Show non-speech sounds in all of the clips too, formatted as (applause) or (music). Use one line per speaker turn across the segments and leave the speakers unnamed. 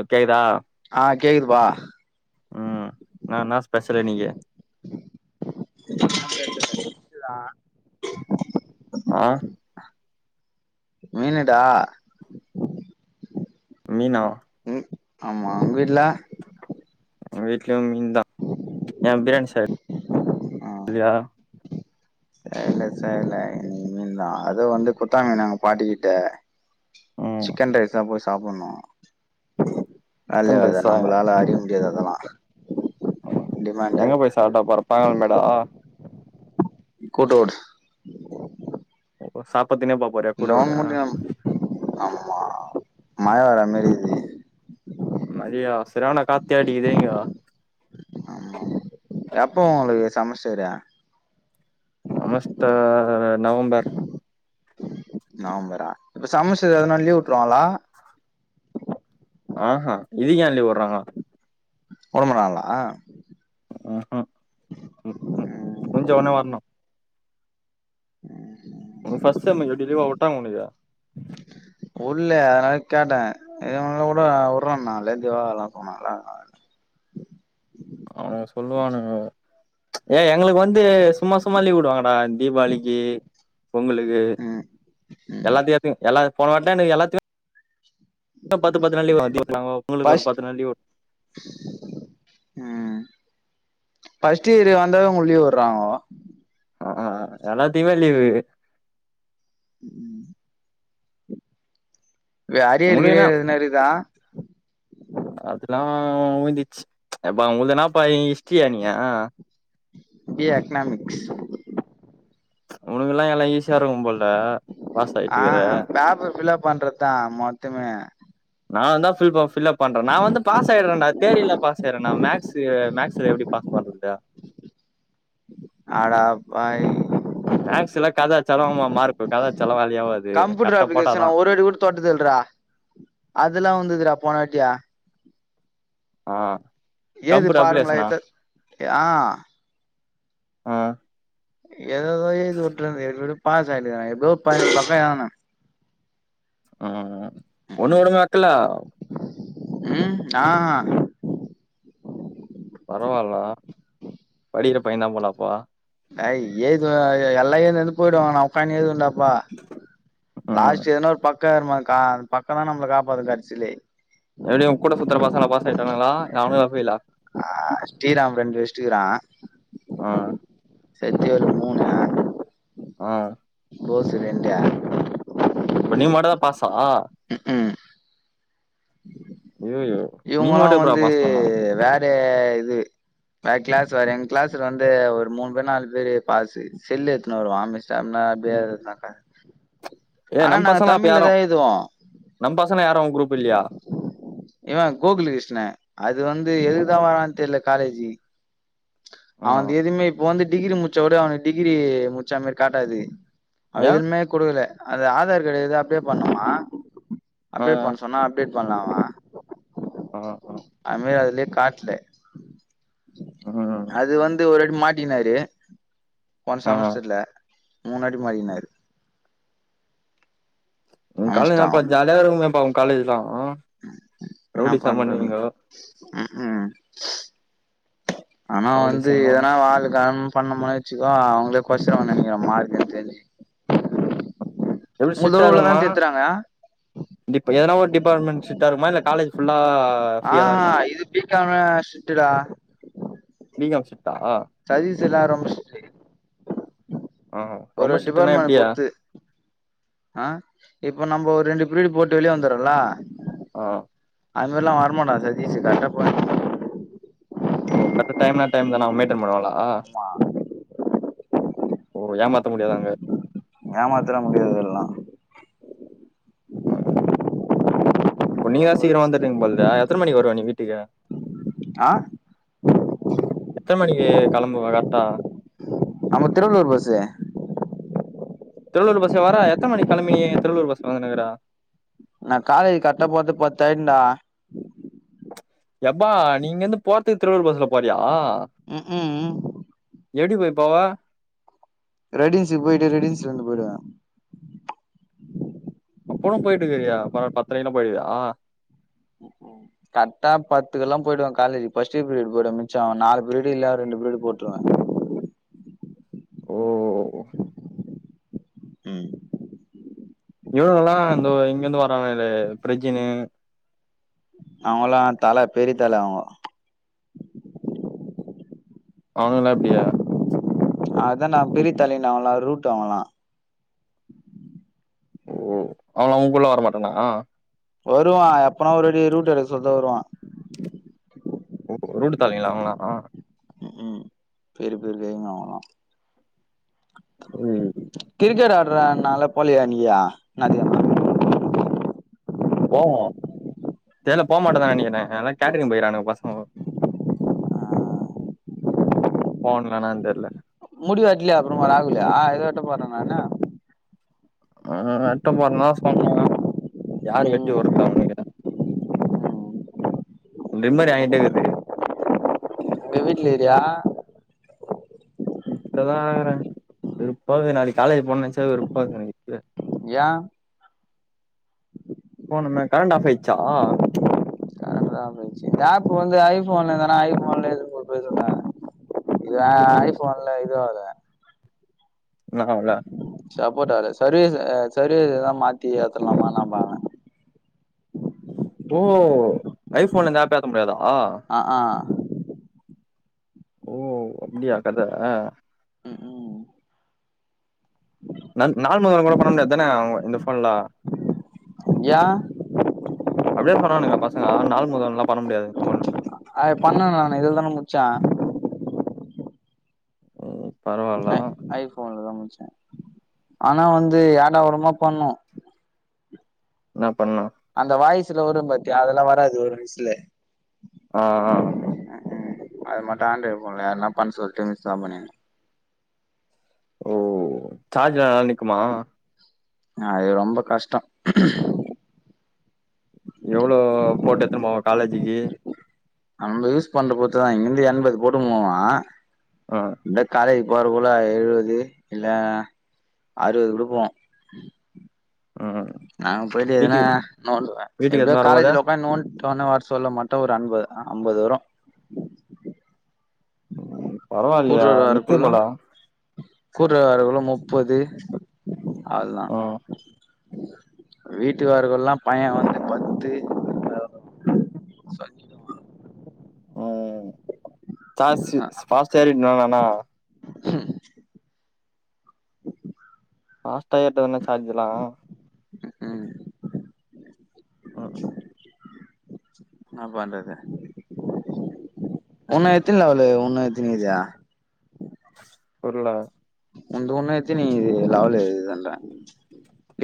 Okay தா
ஆ கேக்குதுப்பா
ம் நா என்னா ஸ்பெஷல் இன்னிக்கு
(unintelligible)
ஆ
மீனு டா
மீனா
ம் ஆமா உங்க வீட்ல
எங்க வீட்லயு மீன் தா ஏ பிரியாணி செய்
ஆ
லியா
செய்ல செய்ல இன் மீன் தா அது வந்து குத்தாங்கனாங்க பாட்டிக்கிட்ட
ம்
சிக்கன் ரைஸ் தா போய் சாப்புட்னோ வேல்யே
சிக்கன்
ஆவாது
ரைஸா
நம்மளால அரிய முடியாது அதெல்லா டிமாண்டு
எங்க போய் சாப்டா பொறட்டாங்க மேடோ
கூட் ரோட்
ஓஹோ சாப்ரதுக்கே பா
லோன் மூலியோ ஆம்மா மழ வற மாரி இருக்குது
மதியோ சரியான காத்தே அடிக்குது இங்கோ
ஆமா எப்போ ஒங்ளுக்கு செமஸ்டரு
சமஸ்டர் நவொம்பர்
நவொம்பரா இப்ப செமஸ்டர் எதுனா லீவ் வுட்ருவாங்ளா
ஆஹா இதுக்கு ஏன் லீவ் வுட்றாங்க
வுட மாட்டாங்களா
உம் ம் மு மு
ம்
மூஞ்சோன்னே வர்ணும் ஒங்ளுக் ஃபஸ்ட் செம் எப்டி லீவ்வா வுட்டாங்க ஒனக்கு
வுள்ள அத்னால கேட்டேன் இவ்ளோ நாளா வுட்ல வுட்றனாலே செவ்வா கெழமனல்லா
அவனுக சொல்லுவானுங்க ஏய் எங்ளுக்கு வந்து சும்மா சும்மா லீவ் வுடுவாங்கடா தீபாளிக்கு பொங்கலுக்கு
ம் ம்
எல்லாத்தை ஏத்துங் எல்லா போன வாட்லா எனக்கு எல்லாத்துக்கு பத்து பத்து நாள் லீவ் (inaudible) வாங்க பொங்கலுக்கு ஒரு
ஃபஸ்ட்
பத்து நாள் லீவ் ! ! ! ! ! ! ! ! ! !
ம் ஃபஸ்ட் இயரு வந்தவங் உள்ளயே வுர்றாங்கோ
அஹ் ஆ எல்லாத்தியுமே லீவு
ம் வே அரியர்
உங்களுக்குன்னா
கிரியர் எதுனா இருக்குதா
அதெல்லாம் ஒய்ந்துச்சு எப்பா ஒங்கள்து என்னப்பா நீ ஹிஸ்ட்ரியா நீங்க
பி எ எக்னாமிக்ஸ்
உனக்குலாம் எல்லாம் எல்லாம் ஈஸியா இருக்கும் போல பாஸ் ஆயிட்டு
ஆ
இருக்கிற
பேப்பர் ஃபில்லப் பண்றத்தான் மொத்தமே
நா வந்தா ஃபில் ப ஃபில்லப் பண்றே நா வந்து பாஸ் ஆய்ட்றேன்டா தியரில பாஸ் செரி நா மேக்ஸ் மேக்ஸ்ல எப்டி பாஸ் பண்றதுடா
அட பாய்
மேக்ஸ்லா கத அச்சாலும் ம ம மார்க் கத அச்சாலும் வேலியாவாது
கம்ப்யூட்ரு அப்ளிகேஷன் நா ஒரு வாட்டி கூட தொட்டுதுல்றா அதெல்லாம் வந்துதுடா போனவட்டியா
ஆ
ஏது
கம்ப்யூட்டர்
பாருமல
அப்ளிகேஷனா
ஏத்த எ ஆ
ஆ
ஏததோ ஏழுது வுட்டுறந் எப்டியோ பாஸா இல்லையானு எவ்ளோ பக் பக்கொ எழுதுன
உம் ஒன்னு வுட மாக்ளா
ம் நா ஹ
பரவால்டா படிக்கற பையனப் போலப்பா
டேய் எழ்துவ எல்லாம் எழ்ந்து எழ்ந்து போயிடுவாங்க நா உக்காந்து எழ்துவேன்டா ப்பா
ம்
லாஸ்ட் எதனா ஒரு பக்கொ இரு கா பக்கொ தா நம்மள காப்பாத்தும் கடைச்சில்லே
எப்டி ஒன் கூட சுத்துற பசங்கல்லா பாஸ் ஆயிட்டாங்களா இல்ல அவனுக ஃபேயிலா
ஆ ஸ்ரீராம் ரெண்டு வச்சுட்டுகிறான்
ஆ
சத்திவேல் ஒரு மூணு
ஆ
போஸ் ரெண்டே
அப்ப நீங்க மட்டுதா பாஸா
உம் ம்
ஐயயோ
இவுங்கல்லா வந்து வேற இது கிளாஸ் வேற எங்க கிளாஸ்ல வந்து ஒரு மூணு பேர் நாலு பேரு பாசு செல்லு எடுத்துனு வருவா மிஸ் (unintelligible)
ஏ நம் பசங்க அப்ப யாரு
தா எழுதுவோ
நம் பசங்க யாரு அவங்க குரூப் இல்லயா
இவ‌ கோகுல கிருஷ்ண அது வந்து எதுக்குதா வரான்னு தெரில காலேஜிக்கி அவன்து
ம்
எதுவுமே இப்ப வந்து டிகிரி முடிச்கூட அவனுக்கு டிகிரி முடிச்சா மாரி காட்டாது அது
ஏன்
எதுலுமே குடுக்கல அது ஆதார் கார்டு எது அப்டேட் பண்ணமா
ஆ
அப்டேட் பண் சொன்னா அப்டேட் பண்ணல அவ
ஆ ஆ
அதுமாரி அதுலயே காட்ல
ம்
அது வந்து ஒரு வாட்டி மாட்டிக்கினாரு போன
ஆ
செமஸ்டர்ல முன்னாடி மாட்டிக்கினாரு
உங்க காலேஜ்
அமச்ட்டா
தபா ஜாலியா இருக்குமேப்பா உங்க காலேஜ்லா
என்னா பண்றது ம்க்ம் ஆனா வந்து
ரவுடிசம்லாம்
எதனா வால் க பண்ண மாரி அவங்களே கொறச்சுவங்கனுனு நெனைக்கிற மார்க் எனக்கு தெரிஞ்சு
எப்படி
உங்களதெல்லா உள்ளதால் திருத்துறாங்க
இப்ப எதனா ஒரு டிபார்ட்மெண்ட் ஸ்ட்ரிக்ட்டா இருக்குமா இல்ல காலேஜ் ஃபுல்லா ஃப்ரீயா தான்
ஆஹா
இருக்குமா
இது பீக்காமு ஸ்ட்ரிக்ட்டுடா
பி காம் ஸ்ட்ரிக்ட்டா
சதீஸ் எல்லா ரொம்ப ஒரு
ஆரொம்ப ஸ்ரிட்டுனா
டிபார்ட்மெண்ட்
எப்டியா
பொறுத்து ஆ இப்ப நம்ம ஒரு ரெண்டு பிரீடு போட்டு வெளியே வந்துறோம்லா
ஆ
அது மாரிலா வரமாட்டா சதீசு கரெட்டா போய்
ஓ கரெட்டா டைம்னா டைம் தா மைண்டைன் பண்ணுவாளா
ஆமா
ஓ ஏமாத்த முடியாது அங்க
ஏமாதெல்லா முடியாது அதெல்லா
ம் இப்ப நீங்களா
ரொம்ப
சீக்கிர
ரிஸ்க்
வந்துர்றீங்க போழுத எத்தன மணிக்கு வருவ நீ வீட்டுக்கு
ஆ
எத்தன மணிக்கு கெளம்புவ கரெட்டா
நம்ம திருவள்ளூர் பஸ்சு
திருவள்ளுர் பஸ்லயா வரா எத்தன மணிக்கு கெளம்பி நீ திருவள்ளூர் பஸ்க்கு வந்துனுக்ற
நா காலேஜ் கரெட்டா போறதுக்கு பத்தாயுடுன்டா
எப்பா நீ இங்க இருந்து போறதுக்கு திருவள்ளுர் பஸ்ல போறியா
ம்க்ம்
எப்டி போய் போவா
ரெடிஸ்ஸி போயிட்டு ரெடிஸ்ஸி வந்து போய்டுவே
அப்போத போயிட்டுக்குறியா பத்ரேக்கெல்லா போய்டுவியா
கர்ட பத்துக்கெல்லா போய்டுவே காலேஜ்கு ஃபஸ்ட் பிரியட் போய்டுவே மிச்சம் நாலு ப்ரிடு இல்லா ரெண்டு ப்ரிடு போட்ருவே
ஓ
ம்
இவங்கலா இந்த இங்கிருந்து வர பிரஜினு
அவங்கல்லா தல பெரிய தல அவங்க
அவனுகல்லா எப்டி
அதா நா பெரிய தலைன அவன்லா ரூட் அவன்லா
ஓ அவ உன்கூடல்லா வரமாட்டானா
வருவா எப்பனா ஒரு வாட்டி ரூட் எடுக்க சொல்தா வருவா
ஓ ரூட் தரலைங்களா இவ்ளோ நேரோ
ம்ஹும் பெரி பெரி கைங்க அவுங்க
ம்
கிரிக்கெட் ஆடுறானால போலியா நீயி
போவோ தெர்ல்ல போ மாட்டோனு தா நெனைக்கிறே எல்லா கேட்ரிங் போய்றுகானுக பசங்கோ போனுனனா தெரில
முடி வெட்லயா அப்புறமா ராகுலு அது வெட்ட போறே நானா
ஆ வெட்ட போறந்தா சொன்னா யாரு வெட்டி
ம்
விட போறானு தெரில
ம்
ட்ரிம்மர் ஏகிட்டேருக்குது
(unintelligible)
வீட்டு்ல தான் இருக்குறே வெறுப்பாகுது நாளைக்கு காலேஜ் போனுன்னு நெனச்சாலே வெறுப்பாகுது எனக்கு இப்பவே
ஏ
போனுன்னா கரண்ட் ஆஃப் ஆய்டுச்சா
கரென்ட் தா ஆஃப் ஆய்ட்ச்சு ஆப்பு வந்து ஐ ஃபோன் தான ஐ ஃபோன்லயே (unintelligible) யா ஐ
ம்
ஃபோன்ல இது ஆவாதா
என்னது ஆவ்ல
சப்போர்ட் ஆகல சர்வீஸ் சர்வீஸ் எதானா மாத்தி ஏத்தலாமா பாக்குறே
ஓ ஐ ஃபோன்ல இந்த ஆப் ஏத்த முடியாதா
அ ஆ
ஓ அப்டியாக் கத
ம் ம்
ந நார்மல் கால் கூட பண்ண முடியாது தான இந்த ஃபோன்ல
யா
அப்டி தா சொன்னானுங்க பசங்க நார்மல் கால்லா பண்ண முடியாது ஃபோன்லனு
அது பண்ணே நானு இதுல தான முடிச்சே
ம் பரவால்ல
ஃபோன்ல தா முடிச்சே ஆனா வந்து ஏடா கூடமா பண்ணு
என்ன பண்லா
அந்த வாய்சுல வரு பாத்தியா அதெல்லா வராது ஒரு வாய்சுல
ஆ ஆ
ம் அ ஆ அது மட்டு ஆண்ட்ராய்டு ஃபோன்ல யாருனா பண்ண சொல்லிட்டு மிஸ் தா பண்ணே
ஓ சார்ஜ்லா நல்லா நிக்குமா
அது ரொம்ப கஷ்டோ
எவ்ளோ போட்டு எடுத்துனு போவே காலேஜிக்கி
நம்ம யூஸ் பண்றது பொற்த்து தா இங்கிருந்து எண்பது போட்டுனு போவே
ஆ
இந்த காலேஜ் போறதுக்குள்ள எழுவது இல்ல அறுவது கூட போவு
ம்
நா அங்க போய்ட்டு எதுனா
வீட்டுக்கு
நோண்டுவே
வீட்டுக்கு
எப்டியோ
எத்துனு வரும்போது
காலேஜ்ல அப்ப நோண்டோன்னே வாட்ஸ் சொல்ல மட்டு ஒரு அம்பு அம்பது வரு
ம் பரவால்லயே
கூட்டுவர
நிக்கும்
வரக்குள்ள
போல
(unintelligible) வரக்குள்ள முப்பது அவ்ளோ தா
ம்
வீட்டுக்கார்கள் கூடல்லா பையே வந்து பத்து சொல்லிடுவா
ம் சாஸ்ஸு ஃபாஸ்ட் ஏறிடு (unintelligible)
ஹ்
ஃபஸ்டா ஏற்டானா சார்ஜ்ஜெல்லா
ம்
ம்
என்னா பண்றது உன்னு எத்தின் லெவலு உன்னு எத்தினி இக்குது
புரில
ஒன்து உன்ன எத்தினி இக்குது லெவலு (unintelligible)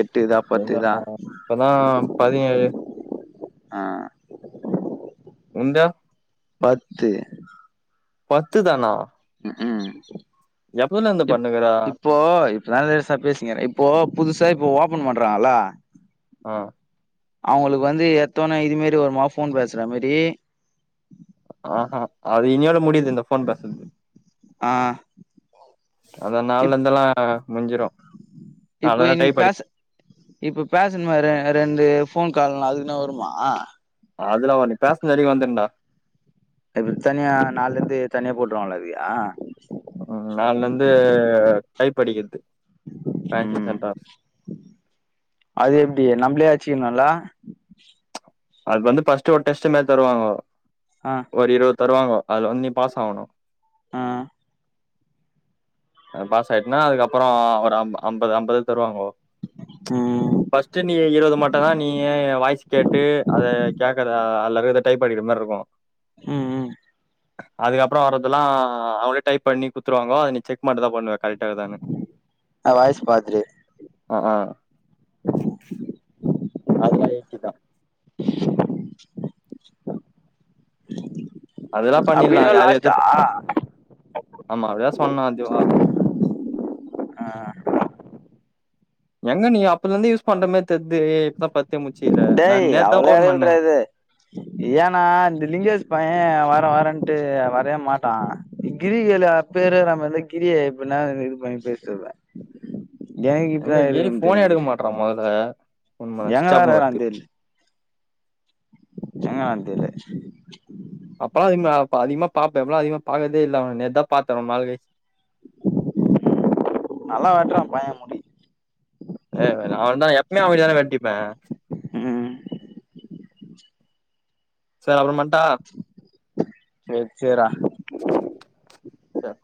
எட்டுதா
எங்க
பத்துதா
இப்பதா பதினேழு
ஆ
உன்த
பத்து
பத்து தானா
ம் ம்
எப்பலருந்து
இப்
பண்ணுக்கீற
இப்போ இப்ப (inaudible) பேசுங்கிறே இப்போ புதுசா இப்போ ஓபன் பண்றாங்கல்ல
ஆ
அவுங்களுக்கு வந்து எத்தவுன்னே இதுமெரி வருமா ஃபோன் பேசுற மாரி
அ அ அது இன்னியோட முடியுது இந்த ஃபோன் பேசுறது
ஆ
அத
இப்
நாளலருந்தெல்லா முஞ்சிரு
இப்போ
அதனால டைப்
இன்னைக்கு
படி
பேச இப்ப பேசணுமே ரெ ரெண்டு ஃபோன் கால்லு அதுக்குல்லா வருமா
அதுலா வரு நீ பேசனவரிகு வந்துண்டா
(unintelligible) தனியா நாலருந்து தனியா போட்ருவாங்களா அதுக்கு
ம் நாளலருந்து டைப்படிக்றது
ம் அது எப்டி நம்பளே அச்சுக்கணுல்ல
அது வந்து ஃபர்ஸ்ட்டு ஒரு டெஸ்டு மாரி தருவாங்கோ
ஆ
ஒரு இருவது தருவாங்கோ அதுல வந்து நீ பாஸ் ஆவணு
ஆ
பாஸ் ஆயிட்னா அதுக்கப்புறோ ஒரு அம் அம்பது அம்பதுல தருவாங்கோ
ம்
ஃபர்ட்டு நீ இருபது மட்டதா நீ எ வாய்ஸ் கேட்டு அத கேட்கற அதுல இருக்கறதுல டைப்படிக்குற மாரி இருக்கு
ம்
அதுக்கப்புறோ வர்றதுல்லா அவுங்களே டைப் பண்ணி குத்துருவாங்கோ அத நீ செக் மட்டுதா பண்ணுவ
அ வாய்ஸ் பாத்துரு
(unintelligible) அ ஆ அதுலா ஈசிதா அதெல்லா பண்ணிலா
அப்டின்னு லாஸ்ட்டா
(unintelligible) ஆமா அப்படிதா சொன்ன அதுவா எங்க நீ அப்பலருந்து யூஸ் பண்ற மெரி தெர்து இப்பதா பத்தே முச்சுகிற நா
டேய்
நேத்தா
அவ்ளோ
ஃபோன் பண்ணே
எலைல்றா இது ஏன்னா இந்த லிங்கேஷ் பையே வர வரேன்ட்டு வரவே மாட்டா கிரிகில பேரு நம்ம வந்து கிரிய எப்புன்னா இது இது பண்ணி பேசிற்றே எனக்கு
எங்க
இப்பதா
கிரி
இருக்கு (unintelligible)
(unintelligible) முதல்ல போன் பண்ணா சுவிட்ச் ஆப்னு வருது
இருக்குறான்னு தெர்ல (unintelligible)
அப்பல்லாம் அதிகமா பா அதிகமா அப்பல்லோ (unintelligible) அதிகமா பாப்பே இப்பல்லா அதிகமா பாக்கதே இல்ல நேத்தா பாத்தே ரொம்ப நாள் கழிச்சி
(inaudible) நல்லா வெட்றா பைய முடி
ஏ நா அவட்தா எப்யுமே அவகிட்டதானே வெட்டிப்பே
ம்
சேரி அப்பறோ பண்
சேர் சேரா
சேர்